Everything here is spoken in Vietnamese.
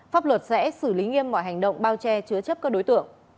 pháp luật sẽ xử lý nghiêm mọi hành động bao che chứa chấp các đối tượng